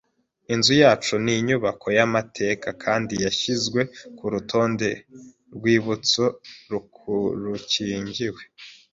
Inzu yacu ni inyubako yamateka kandi yashyizwe kurutonde rwibutso rukingiwe.